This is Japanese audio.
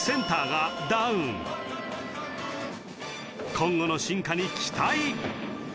今後の進化に期待